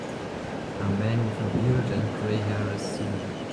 A man with a beard and gray hair is sewing.